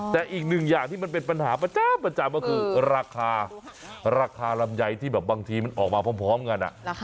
แต่อีกหนึ่งอย่างที่มันเป็นปัญหาประจำก็คือราคาราคาลำไยที่แบบบางทีมันออกมาพร้อมกัน